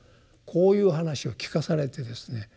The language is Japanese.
こういう話を聞かされてですね